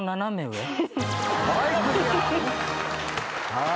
はい。